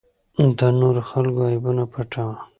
د نورو خلکو عیبونه پټوه.